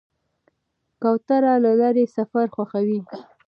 کوتره له لرې سفر خوښوي.